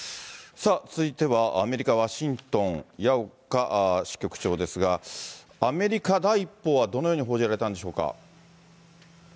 続いては、アメリカ・ワシントン、矢岡支局長ですが、アメリカ、第一報はどのように報じられたんでしょうか。